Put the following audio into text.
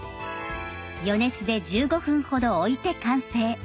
余熱で１５分ほど置いて完成。